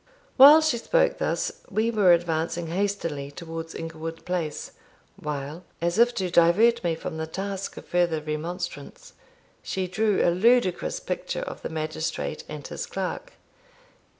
While she spoke thus, we were advancing hastily towards Inglewood Place, while, as if to divert me from the task of further remonstrance, she drew a ludicrous picture of the magistrate and his clerk.